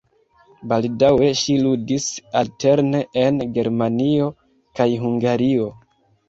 Baldaŭe ŝi ludis alterne en Germanio kaj Hungario.